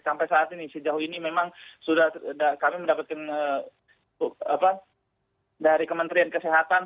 sampai saat ini sejauh ini memang sudah kami mendapatkan dari kementerian kesehatan